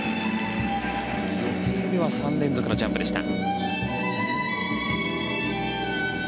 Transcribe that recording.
予定では３連続のジャンプでした。